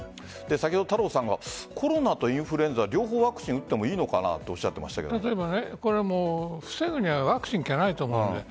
先ほど、太郎さんがコロナとインフルエンザ両方ワクチン打ってもいいのかなと防ぐにはワクチンじゃないと思う。